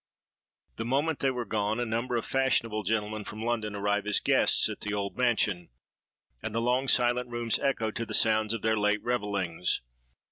The moment they were gone, a number of fashionable gentlemen from London arrived as guests at the old mansion; and the long silent rooms echoed to the sounds of their late revellings.